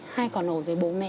hay có nỗi với bố mẹ